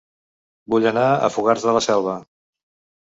Vull anar a Fogars de la Selva